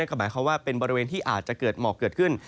ก็หมายความว่าเป็นบริเวณที่อาจจะเกิดหมอกเกิดขึ้น